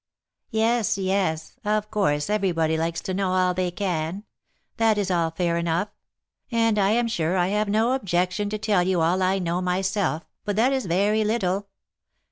"Yes, yes! Of course, everybody likes to know all they can; that is all fair enough; and I am sure I have no objection to tell you all I know myself, and that is but very little.